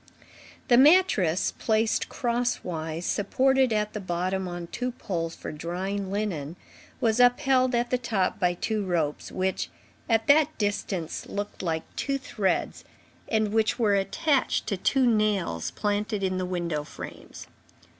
The mattress, placed cross wise, supported at the bottom on two poles for drying linen, was upheld at the top by two ropes, which, at that distance, looked like two threads, and which were attached to two nails planted in the window frames.